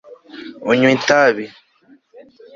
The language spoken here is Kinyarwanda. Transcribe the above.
unywa itabi